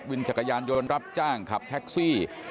จักรยานยนต์รับจ้างขับแท็กซี่